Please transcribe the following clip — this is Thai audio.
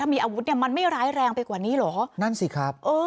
มีอาวุธเนี่ยมันไม่ร้ายแรงไปกว่านี้เหรอนั่นสิครับเออ